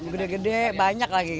gede gede banyak lagi